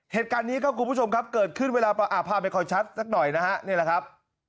เหตุการณ์นี้ครับคุณผู้ชมจะพาไปคอยชัดสักหน่อยนะครับ